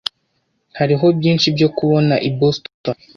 Hariho byinshi byo kubona i Boston.